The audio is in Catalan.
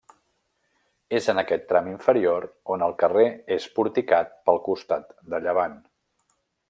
És en aquest tram inferior on el carrer és porticat pel costat de llevant.